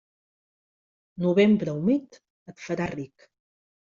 Novembre humit, et farà ric.